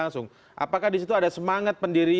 anda memahami gagasan gagasan baru